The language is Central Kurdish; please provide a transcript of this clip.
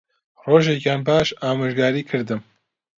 ڕۆژێکیان باش ئامۆژگاریی کردم